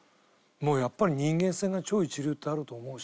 やっぱり人間性が超一流ってあると思うし。